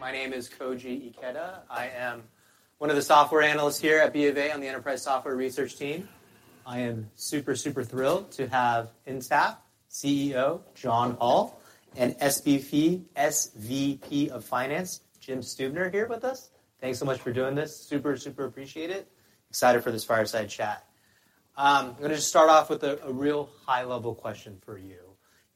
My name is Koji Ikeda. I am one of the software analysts here at BofA on the enterprise software research team. I am super thrilled to have Intapp CEO, John Hall, and SVP of Finance, Jim Stuebner, here with us. Thanks so much for doing this. Super appreciate it. Excited for this fireside chat. I'm going to just start off with a real high-level question for you.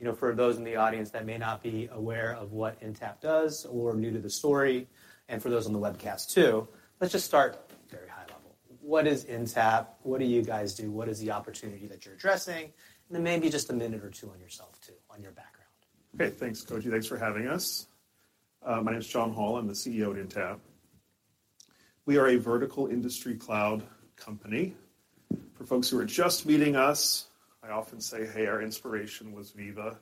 You know, for those in the audience that may not be aware of what Intapp does or are new to the story, and for those on the webcast, too, let's just start very high level. What is Intapp? What do you guys do? What is the opportunity that you're addressing? Maybe just a minute or two on yourself, too, on your background. Okay, thanks, Koji. Thanks for having us. My name is John Hall, I'm the CEO of Intapp. We are a vertical industry cloud company. For folks who are just meeting us, I often say, hey, our inspiration was Veeva.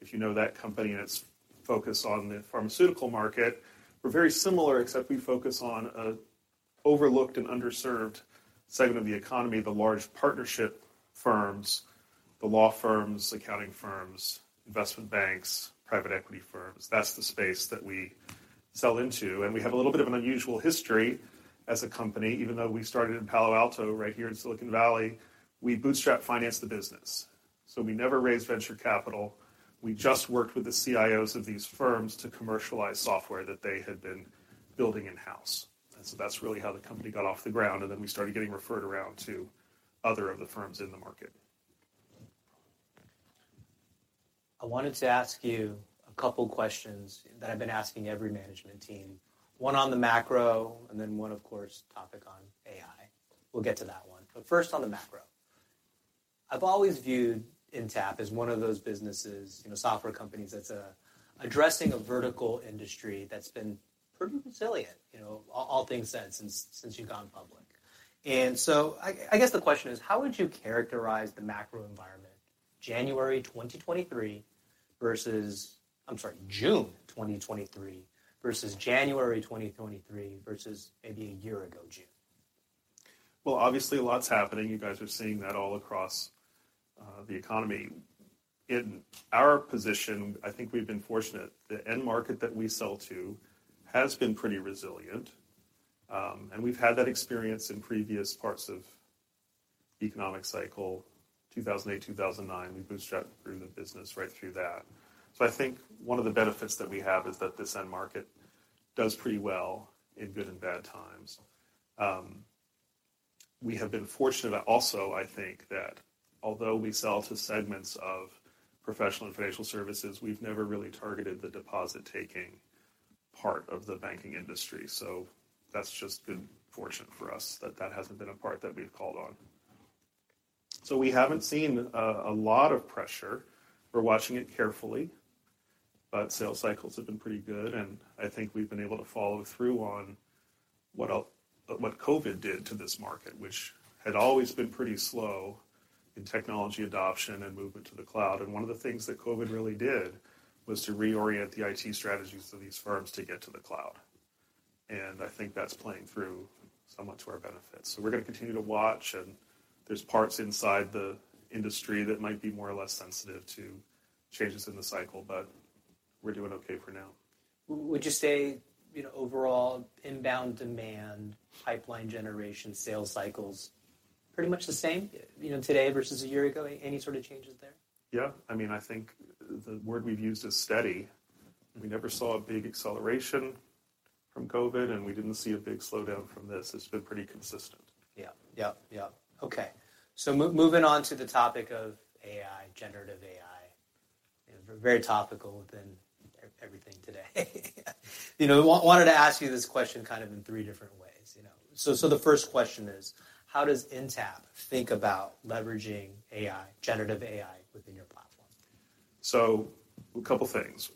If you know that company and its focus on the pharmaceutical market, we're very similar, except we focus on a overlooked and underserved segment of the economy, the large partnership firms, the law firms, accounting firms, investment banks, private equity firms. That's the space that we sell into. We have a little bit of an unusual history as a company. Even though we started in Palo Alto, right here in Silicon Valley, we bootstrap financed the business. We never raised venture capital. We just worked with the CIOs of these firms to commercialize software that they had been building in-house. That's really how the company got off the ground, and then we started getting referred around to other of the firms in the market. I wanted to ask you a couple questions that I've been asking every management team. One on the macro. One, of course, topic on AI. We'll get to that one. First on the macro. I've always viewed Intapp as one of those businesses, you know, software companies, that's addressing a vertical industry that's been pretty resilient, you know, all things said, since you've gone public. I guess the question is: how would you characterize the macro environment January 2023 versus I'm sorry, June 2023 versus January 2023 versus maybe a year ago, June? Well, obviously, a lot's happening. You guys are seeing that all across the economy. In our position, I think we've been fortunate. The end market that we sell to has been pretty resilient, and we've had that experience in previous parts of economic cycle, 2008, 2009. We bootstrapped through the business right through that. I think one of the benefits that we have is that this end market does pretty well in good and bad times. We have been fortunate also, I think, that although we sell to segments of professional and financial services, we've never really targeted the deposit-taking part of the banking industry. That's just good fortune for us that that hasn't been a part that we've called on. We haven't seen a lot of pressure. We're watching it carefully, but sales cycles have been pretty good, and I think we've been able to follow through on what COVID did to this market, which had always been pretty slow in technology adoption and movement to the cloud. One of the things that COVID really did was to reorient the IT strategies of these firms to get to the cloud, and I think that's playing through somewhat to our benefit. We're going to continue to watch, and there's parts inside the industry that might be more or less sensitive to changes in the cycle, but we're doing okay for now. Would you say, you know, overall, inbound demand, pipeline generation, sales cycles, pretty much the same, you know, today versus a year ago? Any sort of changes there? Yeah. I mean, I think the word we've used is steady. We never saw a big acceleration from COVID, we didn't see a big slowdown from this. It's been pretty consistent. Yeah. Yep, yep. Okay. Moving on to the topic of AI, generative AI, very topical within everything today. You know, I wanted to ask you this question kind of in three different ways, you know. The first question is: how does Intapp think about leveraging AI, generative AI, within your platform? A couple things.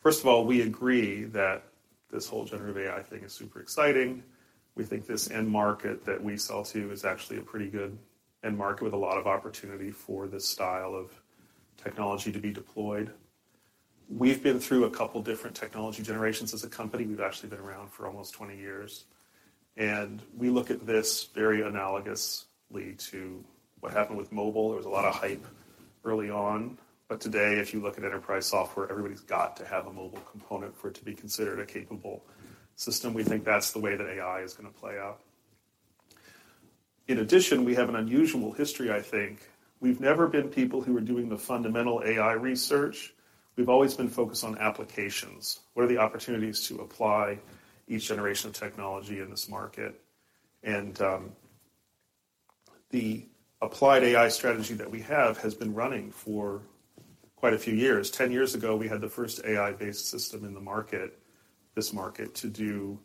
First of all, we agree that this whole generative AI thing is super exciting. We think this end market that we sell to is actually a pretty good end market with a lot of opportunity for this style of technology to be deployed. We've been through a couple different technology generations as a company. We've actually been around for almost 20 years, and we look at this very analogously to what happened with mobile. There was a lot of hype early on, but today, if you look at enterprise software, everybody's got to have a mobile component for it to be considered a capable system. We think that's the way that AI is going to play out. In addition, we have an unusual history, I think. We've never been people who are doing the fundamental AI research. We've always been focused on applications. What are the opportunities to apply each generation of technology in this market? The applied AI strategy that we have has been running for quite a few years. 10 years ago, we had the first AI-based system in the market, this market, to do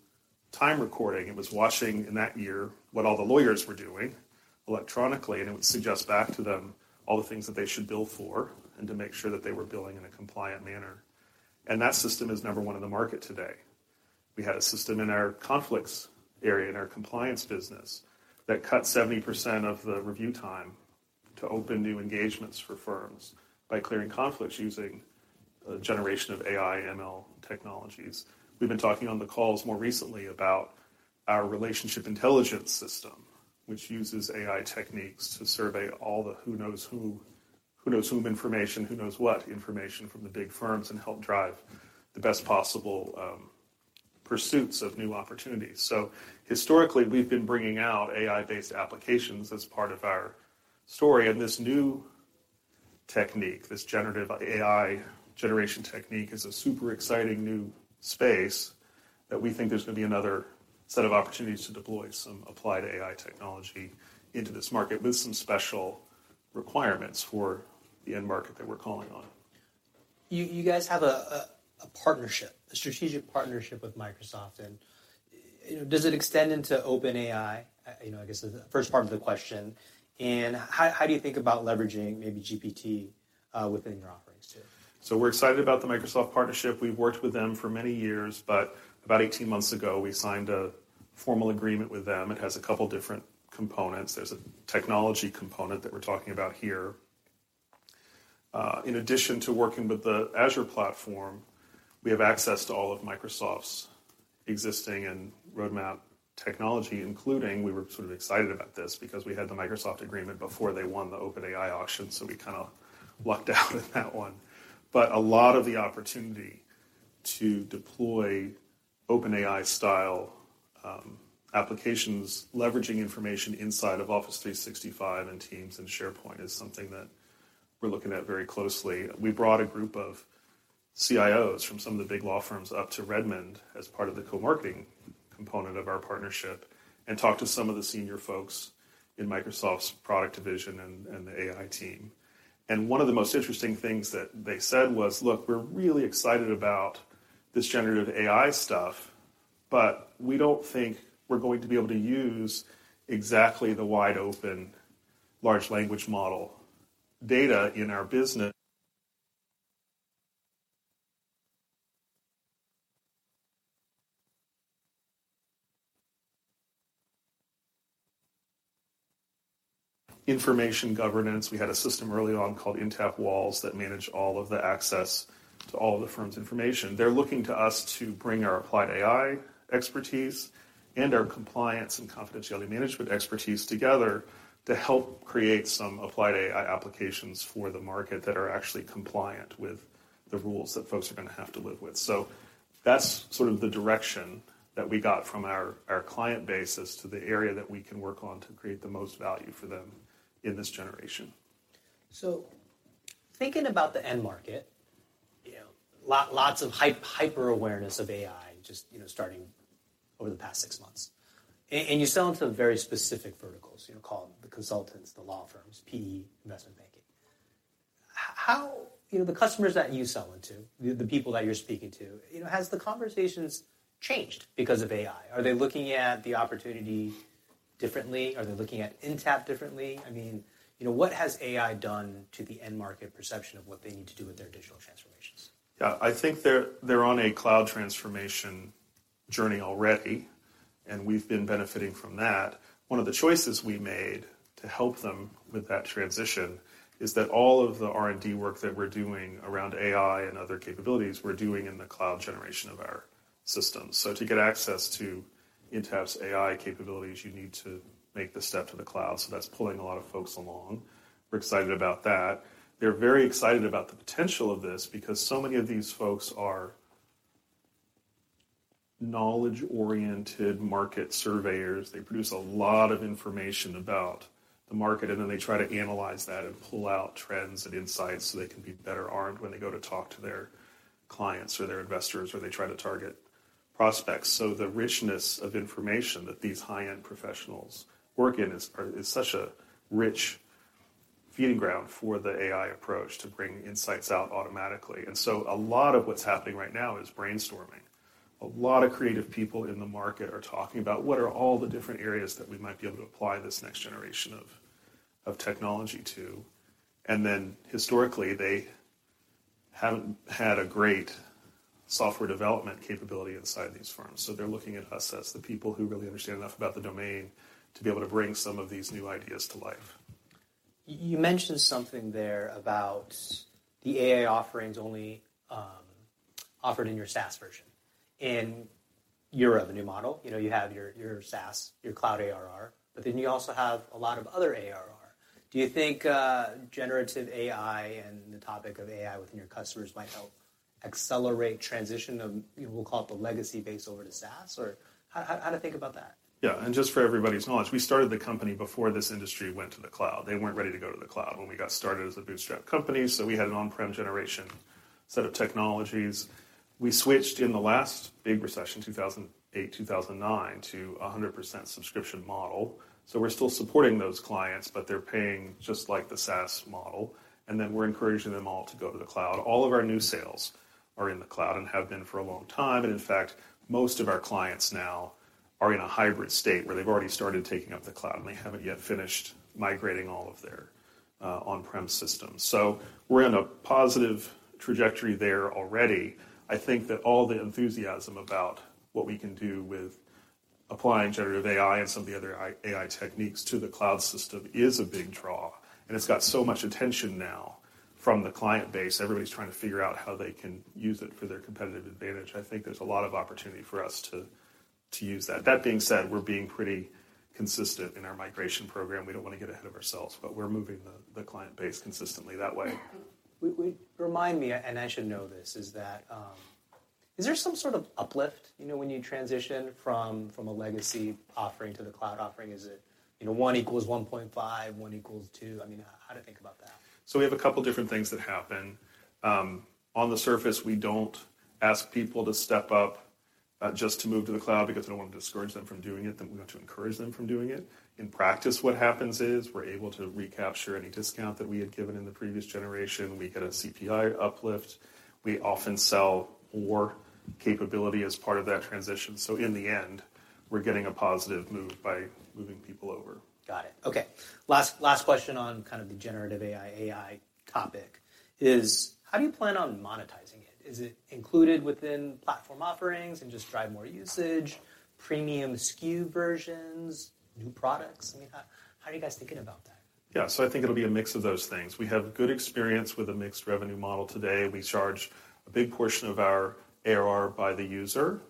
time recording. It was watching in that year what all the lawyers were doing electronically, and it would suggest back to them all the things that they should bill for, and to make sure that they were billing in a compliant manner. That system is number 1 in the market today. We had a system in our conflicts area, in our compliance business, that cut 70% of the review time to open new engagements for firms by clearing conflicts using a generation of AI, ML technologies. We've been talking on the calls more recently about our relationship intelligence system, which uses AI techniques to survey all the who knows whom information, who knows what information from the big firms and help drive the best possible pursuits of new opportunities. Historically, we've been bringing out AI-based applications as part of our story, and this new technique, this generative AI generation technique, is a super exciting new space that we think there's gonna be another set of opportunities to deploy some applied AI technology into this market with some special requirements for the end market that we're calling on. You guys have a partnership, a strategic partnership with Microsoft. You know, does it extend into OpenAI? You know, I guess is the first part of the question. How do you think about leveraging maybe GPT within your offerings too? We're excited about the Microsoft partnership. We've worked with them for many years, but about 18 months ago, we signed a formal agreement with them. It has a couple different components. There's a technology component that we're talking about here. In addition to working with the Azure platform, we have access to all of Microsoft's existing and roadmap technology, including... We were sort of excited about this because we had the Microsoft agreement before they won the OpenAI auction, so we kinda lucked out with that one. A lot of the opportunity to deploy OpenAI style applications, leveraging information inside of Office 365 and Teams and SharePoint is something that we're looking at very closely. We brought a group of CIOs from some of the big law firms up to Redmond as part of the co-marketing component of our partnership, and talked to some of the senior folks in Microsoft's product division and the AI team. One of the most interesting things that they said was, "Look, we're really excited about this generative AI stuff, but we don't think we're going to be able to use exactly the wide open large language model data in our business." Information governance, we had a system early on called Intapp Walls, that managed all of the access to all of the firm's information. They're looking to us to bring our applied AI expertise and our compliance and confidentiality management expertise together to help create some applied AI applications for the market that are actually compliant with the rules that folks are gonna have to live with. That's sort of the direction that we got from our client base as to the area that we can work on to create the most value for them in this generation. Thinking about the end market, you know, lots of hype, hyper-awareness of AI, just, you know, starting over the past six months. You sell into very specific verticals, you know, call them the consultants, the law firms, PE, investment banking. You know, the customers that you sell into, the people that you're speaking to, you know, has the conversations changed because of AI? Are they looking at the opportunity differently? Are they looking at Intapp differently? I mean, you know, what has AI done to the end market perception of what they need to do with their digital transformations? I think they're on a cloud transformation journey already, and we've been benefiting from that. One of the choices we made to help them with that transition is that all of the R&D work that we're doing around AI and other capabilities, we're doing in the cloud generation of our systems. To get access to Intapp's AI capabilities, you need to make the step to the cloud, so that's pulling a lot of folks along. We're excited about that. They're very excited about the potential of this because so many of these folks are knowledge-oriented market surveyors. They produce a lot of information about the market, and then they try to analyze that and pull out trends and insights so they can be better armed when they go to talk to their clients or their investors, or they try to target prospects. The richness of information that these high-end professionals work in is such a rich feeding ground for the AI approach to bring insights out automatically. A lot of what's happening right now is brainstorming. A lot of creative people in the market are talking about what are all the different areas that we might be able to apply this next generation of technology to? Historically, they haven't had a great software development capability inside these firms. They're looking at us as the people who really understand enough about the domain to be able to bring some of these new ideas to life. You mentioned something there about the AI offerings only offered in your SaaS version. In your revenue model, you know, you have your SaaS, your cloud ARR, but then you also have a lot of other ARR. Do you think generative AI and the topic of AI within your customers might help accelerate transition of, you know, we'll call it the legacy base over to SaaS? Or how to think about that? Just for everybody's knowledge, we started the company before this industry went to the cloud. They weren't ready to go to the cloud when we got started as a bootstrap company, so we had an on-prem generation set of technologies. We switched in the last big recession, 2008, 2009, to 100% subscription model. We're still supporting those clients, but they're paying just like the SaaS model, and then we're encouraging them all to go to the cloud. All of our new sales are in the cloud and have been for a long time, and in fact, most of our clients now are in a hybrid state where they've already started taking up the cloud, and they haven't yet finished migrating all of their on-prem systems. We're in a positive trajectory there already. I think that all the enthusiasm about what we can do with applying generative AI and some of the other AI techniques to the cloud system is a big draw. It's got so much attention now from the client base. Everybody's trying to figure out how they can use it for their competitive advantage. I think there's a lot of opportunity for us to use that. That being said, we're being pretty consistent in our migration program. We don't want to get ahead of ourselves. We're moving the client base consistently that way. We Remind me, and I should know this, is that, is there some sort of uplift, you know, when you transition from a legacy offering to the cloud offering? Is it, you know, 1=1.5, 1=2? I mean, how do you think about that? We have two different things that happen. On the surface, we don't ask people to step up just to move to the cloud because we don't want to discourage them from doing it, then we want to encourage them from doing it. In practice, what happens is, we're able to recapture any discount that we had given in the previous generation. We get a CPI uplift. We often sell more capability as part of that transition. In the end, we're getting a positive move by moving people over. Got it. Okay. Last question on kind of the generative AI topic is: how do you plan on monetizing it? Is it included within platform offerings and just drive more usage, premium SKU versions, new products? I mean, how are you guys thinking about that? I think it'll be a mix of those things. We have good experience with a mixed revenue model today. We charge a big portion of our ARR by the user. ...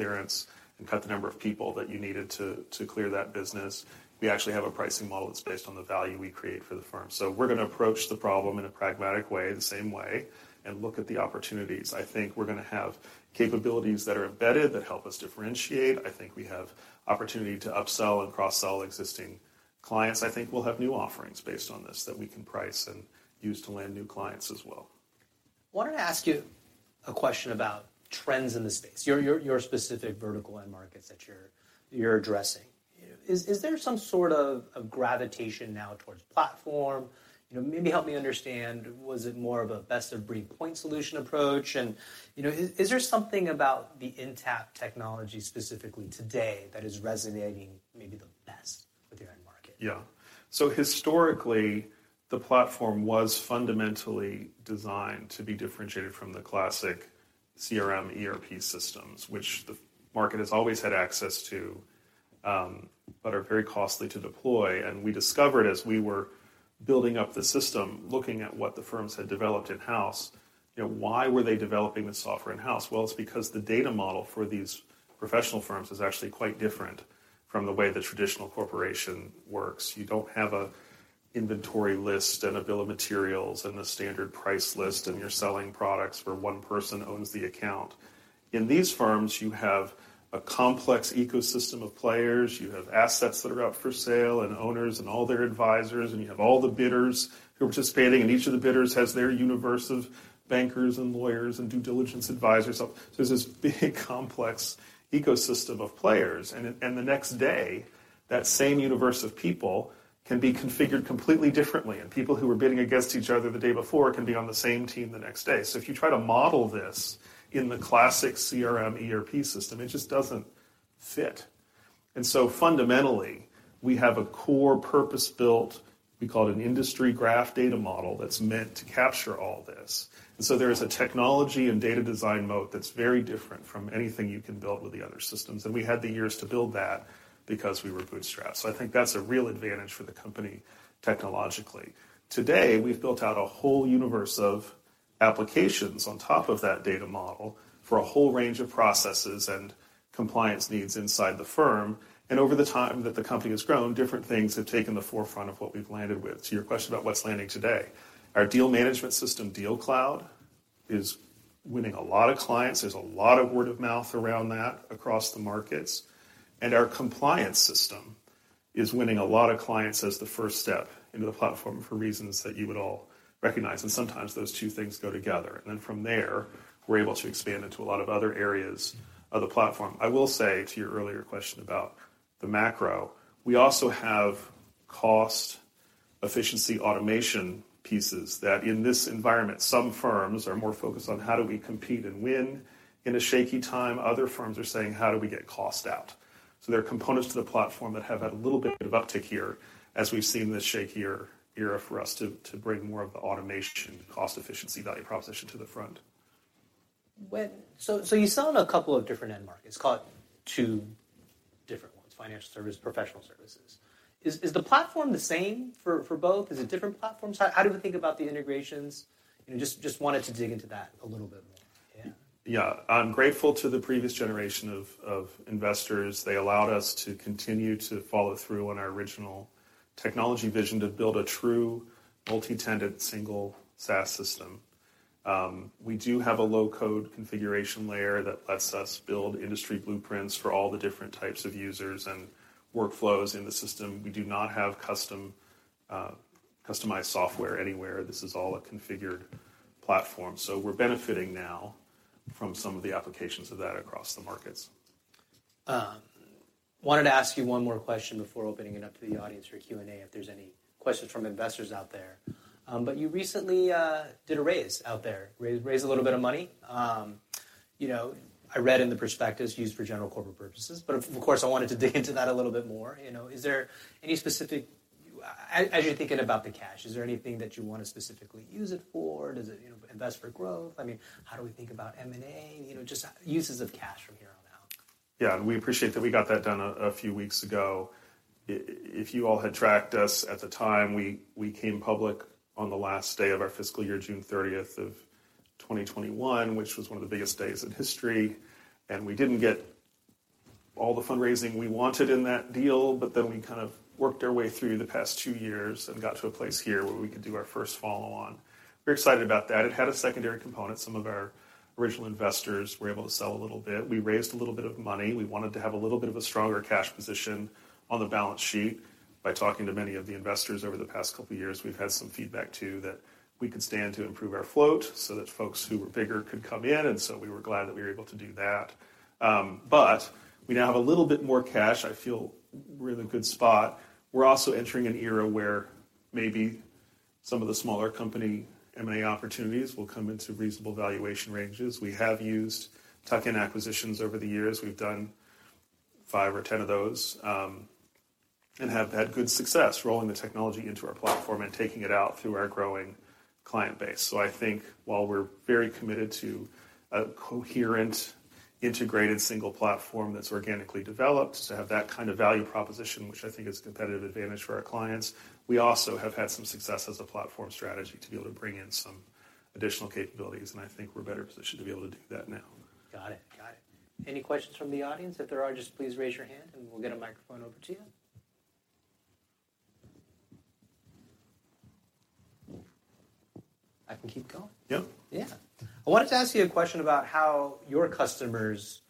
clearance and cut the number of people that you needed to clear that business. We actually have a pricing model that's based on the value we create for the firm. We're going to approach the problem in a pragmatic way, the same way, and look at the opportunities. I think we're going to have capabilities that are embedded, that help us differentiate. I think we have opportunity to upsell and cross-sell existing clients. I think we'll have new offerings based on this, that we can price and use to land new clients as well. I wanted to ask you a question about trends in the space, your specific vertical end markets that you're addressing. Is there some sort of gravitation now towards platform? You know, maybe help me understand, was it more of a best-of-breed point solution approach? You know, is there something about the Intapp technology specifically today that is resonating maybe the best with the end market? Historically, the platform was fundamentally designed to be differentiated from the classic CRM, ERP systems, which the market has always had access to, but are very costly to deploy. We discovered as we were building up the system, looking at what the firms had developed in-house, you know, why were they developing the software in-house? It's because the data model for these professional firms is actually quite different from the way the traditional corporation works. You don't have an inventory list, and a bill of materials, and a standard price list, and you're selling products where one person owns the account. In these firms, you have a complex ecosystem of players, you have assets that are up for sale, and owners, and all their advisors, and you have all the bidders who are participating, and each of the bidders has their universe of bankers and lawyers and due diligence advisors. There's this big, complex ecosystem of players, and the next day, that same universe of people can be configured completely differently, and people who were bidding against each other the day before can be on the same team the next day. If you try to model this in the classic CRM, ERP system, it just doesn't fit. Fundamentally, we have a core purpose-built, we call it an industry graph data model, that's meant to capture all this. There is a technology and data design moat that's very different from anything you can build with the other systems. We had the years to build that because we were bootstrapped. I think that's a real advantage for the company technologically. Today, we've built out a whole universe of applications on top of that data model for a whole range of processes and compliance needs inside the firm. Over the time that the company has grown, different things have taken the forefront of what we've landed with. To your question about what's landing today, our deal management system, DealCloud, is winning a lot of clients. There's a lot of word of mouth around that across the markets, and our compliance system is winning a lot of clients as the first step into the platform for reasons that you would all recognize. Sometimes those two things go together. From there, we're able to expand into a lot of other areas of the platform. I will say, to your earlier question about the macro, we also have cost efficiency automation pieces, that in this environment, some firms are more focused on how do we compete and win in a shaky time. Other firms are saying, "How do we get cost out?" There are components to the platform that have had a little bit of uptick here as we've seen this shakier era for us to bring more of the automation, cost efficiency, value proposition to the front. So you sell in a couple of different end markets, call it 2 different ones, financial services, professional services. Is the platform the same for both? Is it different platforms? How do we think about the integrations? You know, just wanted to dig into that a little bit more. Yeah. I'm grateful to the previous generation of investors. They allowed us to continue to follow through on our original technology vision to build a true multi-tenant, single SaaS system. We do have a low-code configuration layer that lets us build industry blueprints for all the different types of users and workflows in the system. We do not have custom customized software anywhere. This is all a configured platform, so we're benefiting now from some of the applications of that across the markets. Wanted to ask you one more question before opening it up to the audience for a Q&A, if there's any questions from investors out there. You recently did a raise out there, raised a little bit of money. You know, I read in the prospectus, "Used for general corporate purposes," but of course, I wanted to dig into that a little bit more. You know, is there any as you're thinking about the cash, is there anything that you want to specifically use it for? Does it, you know, invest for growth? I mean, how do we think about M&A? You know, just uses of cash from here on out. Yeah, we appreciate that we got that done a few weeks ago. If you all had tracked us at the time, we came public on the last day of our fiscal year, June 30th of 2021, which was one of the biggest days in history. We didn't get all the fundraising we wanted in that deal. We kind of worked our way through the past two years and got to a place here where we could do our first follow-on. We're excited about that. It had a secondary component. Some of our original investors were able to sell a little bit. We raised a little bit of money. We wanted to have a little bit of a stronger cash position on the balance sheet. By talking to many of the investors over the past couple of years, we've had some feedback too that we could stand to improve our float so that folks who were bigger could come in. We were glad that we were able to do that. We now have a little bit more cash. I feel we're in a good spot. We're also entering an era where maybe some of the smaller company M&A opportunities will come into reasonable valuation ranges. We have used tuck-in acquisitions over the years. We've done 5 or 10 of those and have had good success rolling the technology into our platform and taking it out through our growing client base. I think while we're very committed to a coherent, integrated single platform that's organically developed, to have that kind of value proposition, which I think is competitive advantage for our clients, we also have had some success as a platform strategy to be able to bring in some additional capabilities, and I think we're better positioned to be able to do that now. Got it. Got it. Any questions from the audience? If there are, just please raise your hand and we'll get a microphone over to you. I can keep going. Yeah. Yeah. I wanted to ask you a question about how your customers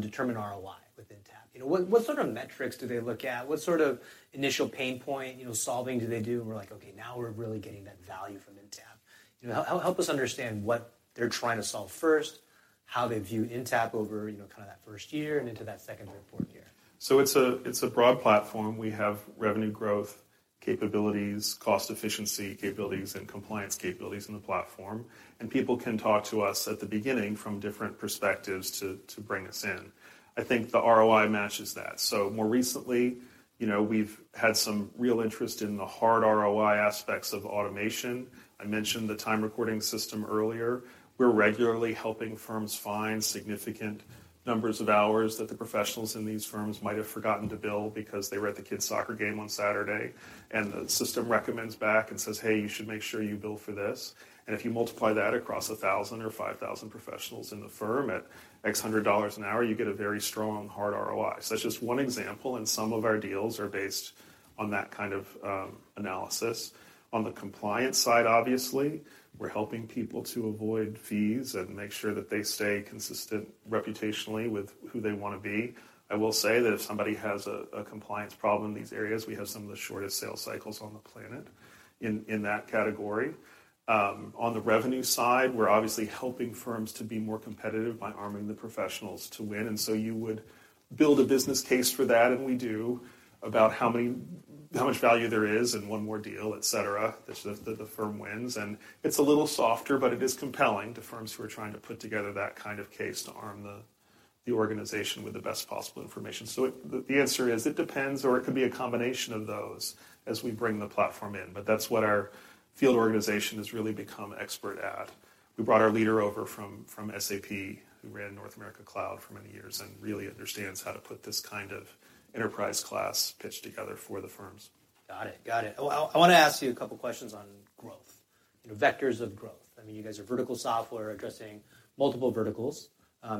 determine ROI with Intapp. You know, what sort of metrics do they look at? What sort of initial pain point, you know, solving do they do, and we're like, "Okay, now we're really getting that value from Intapp." You know, help us understand what they're trying to solve first, how they view Intapp over, you know, kind of that first year and into that second or fourth year. It's a broad platform. We have revenue growth capabilities, cost efficiency capabilities, and compliance capabilities in the platform, and people can talk to us at the beginning from different perspectives to bring us in. I think the ROI matches that. More recently, you know, we've had some real interest in the hard ROI aspects of automation. I mentioned the time recording system earlier. We're regularly helping firms find significant numbers of hours that the professionals in these firms might have forgotten to bill because they were at the kids' soccer game on Saturday, and the system recommends back and says, "Hey, you should make sure you bill for this." If you multiply that across 1,000 or 5,000 professionals in the firm at X hundred dollars an hour, you get a very strong hard ROI. That's just one example, and some of our deals are based on that kind of analysis. On the compliance side, obviously, we're helping people to avoid fees and make sure that they stay consistent reputationally with who they want to be. I will say that if somebody has a compliance problem in these areas, we have some of the shortest sales cycles on the planet in that category. On the revenue side, we're obviously helping firms to be more competitive by arming the professionals to win, you would build a business case for that, and we do, about how much value there is in one more deal, et cetera, that the firm wins. It's a little softer, but it is compelling to firms who are trying to put together that kind of case to arm the organization with the best possible information. The answer is, it depends, or it could be a combination of those as we bring the platform in. That's what our field organization has really become expert at. We brought our leader over from SAP, who ran North America Cloud for many years and really understands how to put this kind of enterprise class pitch together for the firms. Got it. Got it. Well, I want to ask you a couple of questions on growth, you know, vectors of growth. I mean, you guys are vertical software addressing multiple verticals.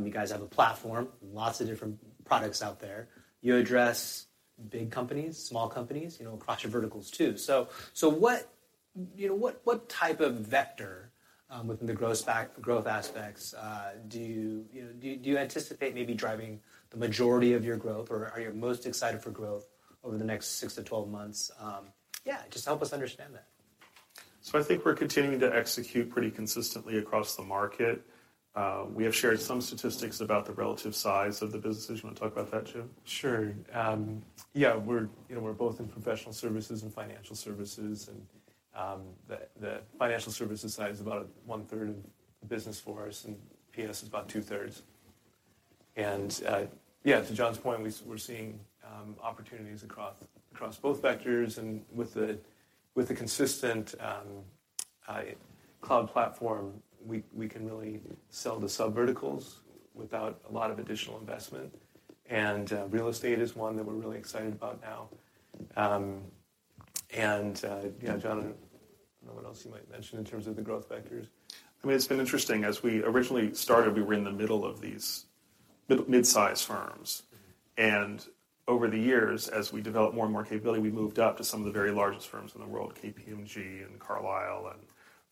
You guys have a platform, lots of different products out there. You address big companies, small companies, you know, across your verticals too. What, you know, what type of vector within the growth aspects do you know, do you anticipate maybe driving the majority of your growth, or are you most excited for growth over the next six to 12 months? Yeah, just help us understand that. I think we're continuing to execute pretty consistently across the market. We have shared some statistics about the relative size of the business. Do you want to talk about that, Jim? Sure. Yeah, we're, you know, we're both in professional services and financial services, and the financial services side is about one-third of the business for us, and PS is about two-thirds. Yeah, to John's point, we're seeing opportunities across both vectors, and with the consistent cloud platform, we can really sell the subverticals without a lot of additional investment. Real estate is one that we're really excited about now. Yeah, John, I don't know what else you might mention in terms of the growth vectors. I mean, it's been interesting. As we originally started, we were in the middle of these midsize firms. Over the years, as we developed more and more capability, we moved up to some of the very largest firms in the world, KPMG and Carlyle and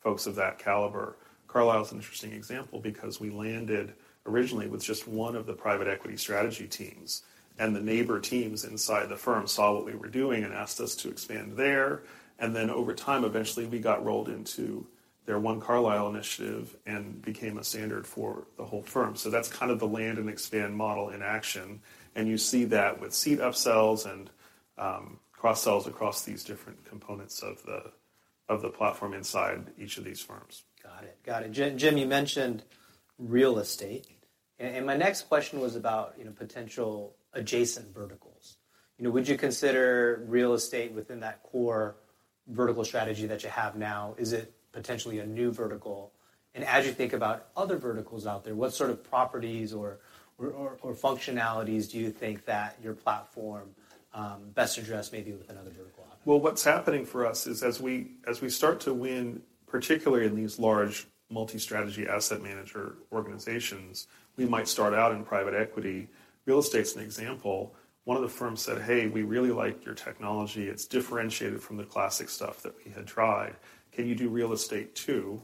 folks of that caliber. Carlyle is an interesting example because we landed originally with just one of the private equity strategy teams, and the neighbor teams inside the firm saw what we were doing and asked us to expand there. Over time, eventually, we got rolled into their One Carlyle initiative and became a standard for the whole firm. That's kind of the land and expand model in action, and you see that with seat upsells and cross-sells across these different components of the platform inside each of these firms. Got it. Jim, you mentioned real estate, and my next question was about, you know, potential adjacent verticals. You know, would you consider real estate within that core vertical strategy that you have now? Is it potentially a new vertical? As you think about other verticals out there, what sort of properties or functionalities do you think that your platform best address maybe with another vertical option? Well, what's happening for us is as we start to win, particularly in these large multi-strategy asset manager organizations, we might start out in private equity. Real estate's an example. One of the firms said, "Hey, we really like your technology. It's differentiated from the classic stuff that we had tried. Can you do real estate, too?"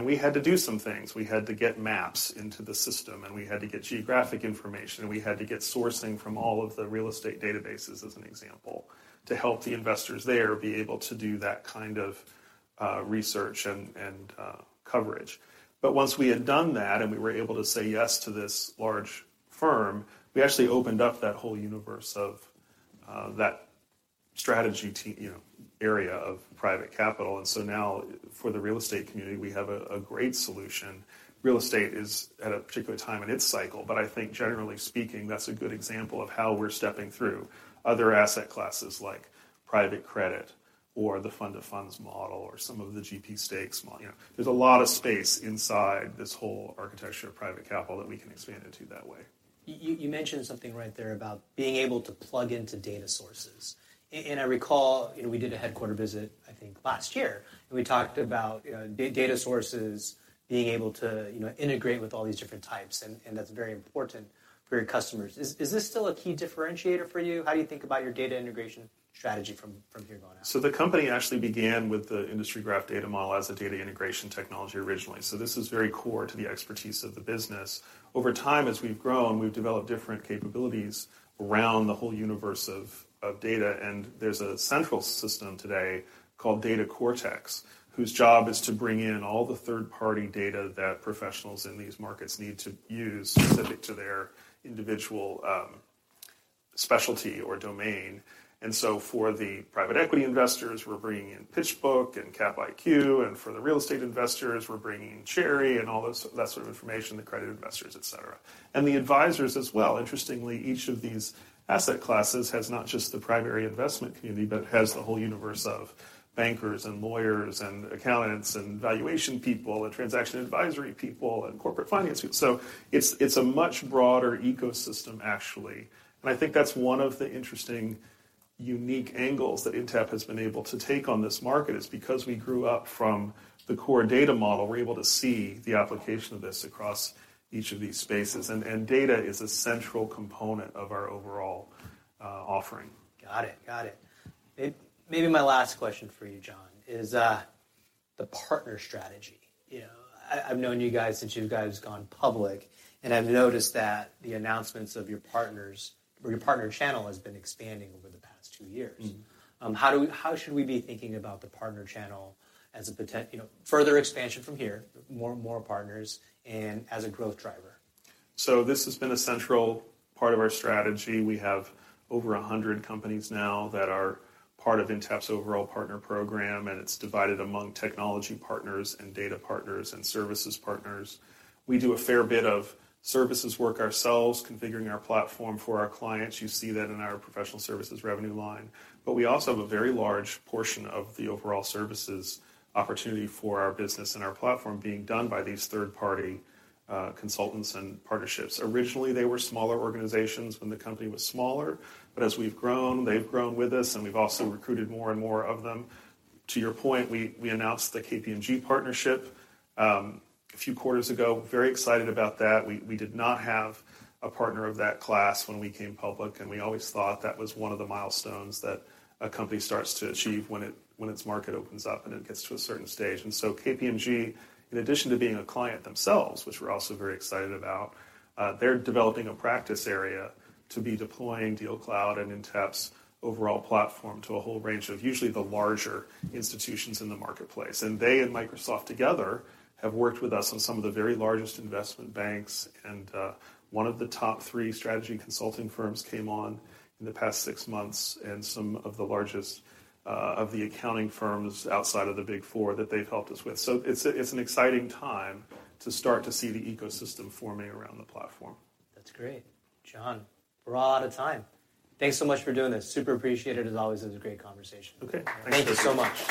We had to do some things. We had to get maps into the system, and we had to get geographic information, and we had to get sourcing from all of the real estate databases, as an example, to help the investors there be able to do that kind of research and coverage. Once we had done that and we were able to say yes to this large firm, we actually opened up that whole universe of that strategy you know, area of private capital. Now, for the real estate community, we have a great solution. Real estate is at a particular time in its cycle, but I think generally speaking, that's a good example of how we're stepping through other asset classes like private credit or the fund of funds model, or some of the GP stakes model. You know, there's a lot of space inside this whole architecture of private capital that we can expand into that way. You mentioned something right there about being able to plug into data sources. I recall, you know, we did a headquarter visit, I think, last year, and we talked about data sources being able to, you know, integrate with all these different types, and that's very important for your customers. Is this still a key differentiator for you? How do you think about your data integration strategy from here on out? The company actually began with the industry graph data model as a data integration technology originally. This is very core to the expertise of the business. Over time, as we've grown, we've developed different capabilities around the whole universe of data, and there's a central system today called Data Cortex, whose job is to bring in all the third-party data that professionals in these markets need to use specific to their individual specialty or domain. For the private equity investors, we're bringing in PitchBook and CapIQ, and for the real estate investors, we're bringing in Cherre and that sort of information, the credit investors, et cetera. The advisors as well. Interestingly, each of these asset classes has not just the primary investment community, but has the whole universe of bankers and lawyers and accountants and valuation people, and transaction advisory people, and corporate finance people. It's a much broader ecosystem, actually. I think that's one of the interesting, unique angles that Intapp has been able to take on this market, is because we grew up from the core data model, we're able to see the application of this across each of these spaces. Data is a central component of our overall offering. Got it. Maybe my last question for you, John, is the partner strategy. You know, I've known you guys since you guys gone public, and I've noticed that the announcements of your partners or your partner channel has been expanding over the past two years. how should we be thinking about the partner channel You know, further expansion from here, more partners and as a growth driver? This has been a central part of our strategy. We have over 100 companies now that are part of Intapp's overall partner program, and it's divided among technology partners and data partners, and services partners. We do a fair bit of services work ourselves, configuring our platform for our clients. You see that in our professional services revenue line. We also have a very large portion of the overall services opportunity for our business and our platform being done by these third-party, consultants and partnerships. Originally, they were smaller organizations when the company was smaller, but as we've grown, they've grown with us, and we've also recruited more and more of them. To your point, we announced the KPMG partnership, a few quarters ago. Very excited about that. We did not have a partner of that class when we came public, and we always thought that was one of the milestones that a company starts to achieve when its market opens up and it gets to a certain stage. KPMG, in addition to being a client themselves, which we're also very excited about, they're developing a practice area to be deploying DealCloud and Intapp's overall platform to a whole range of usually the larger institutions in the marketplace. They and Microsoft together, have worked with us on some of the very largest investment banks, and one of the top three strategy consulting firms came on in the past six months, and some of the largest of the accounting firms outside of the Big Four that they've helped us with. It's an exciting time to start to see the ecosystem forming around the platform. That's great. John, we're all out of time. Thanks so much for doing this. Super appreciate it, as always, it was a great conversation. Okay. Thank you so much.